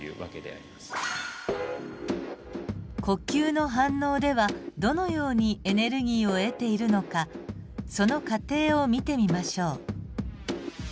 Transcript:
呼吸の反応ではどのようにエネルギーを得ているのかその過程を見てみましょう。